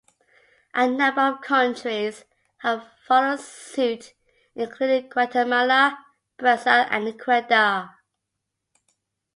A number of countries have followed suit including Guatemala, Brazil, and Ecuador.